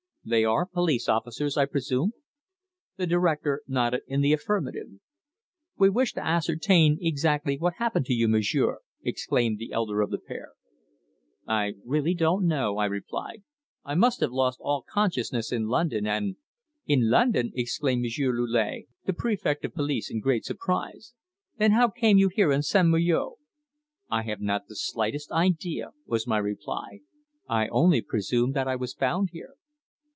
"They are police officers, I presume." The director nodded in the affirmative. "We wish to ascertain exactly what happened to you, monsieur," exclaimed the elder of the pair. "I really don't know," I replied. "I must have lost all consciousness in London, and " "In London!" exclaimed Monsieur Leullier, the Prefect of Police, in great surprise. "Then how came you here in St. Malo?" "I have not the slightest idea," was my reply. "I only presume that I was found here."